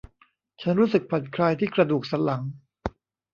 ฉันรู้สึกผ่อนคลายที่กระดูกสันหลัง